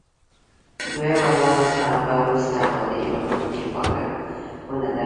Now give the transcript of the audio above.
دویمه لار په وروسته پاتې هېوادونو کې پانګونه ده